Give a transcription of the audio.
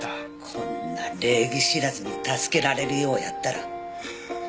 こんな礼儀知らずに助けられるようやったら。